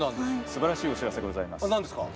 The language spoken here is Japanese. すばらしいお知らせございます。